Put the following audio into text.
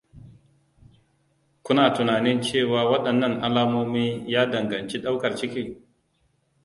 kuna tunanin cewa waɗanan alamomi ya danganci ɗaukar ciki?